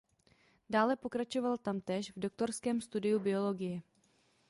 Dále pokračoval tamtéž v doktorském studiu biologie.